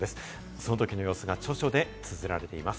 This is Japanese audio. そのときの様子が著書で綴られています。